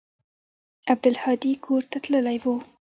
عبدالهادي کور ته تللى و.